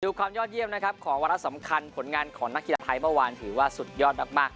ความยอดเยี่ยมนะครับของวาระสำคัญผลงานของนักกีฬาไทยเมื่อวานถือว่าสุดยอดมาก